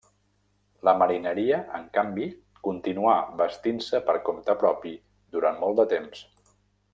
La marineria, en canvi, continuà vestint-se per compte propi durant molt de temps.